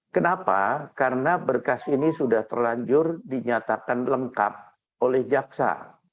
kenapa karena berkas ini sudah terlanjur dinyatakan lengkap oleh jaksa